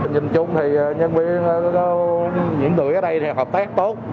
nhìn chung thì nhân viên những người ở đây hợp tác tốt